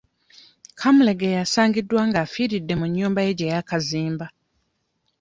Kaamulegeya asangiddwa nga afiiridde mu nnyumba ye gye yaakazimba.